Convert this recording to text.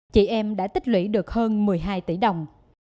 chị em đã tích lũy được hơn một mươi hai tỷ đồng